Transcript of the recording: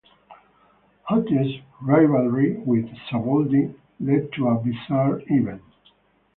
Hodge's rivalry with Savoldi led to a bizarre event.